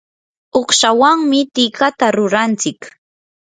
uqshawanmi tikata rurantsik.